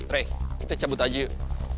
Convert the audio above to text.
rey kita cabut aja yuk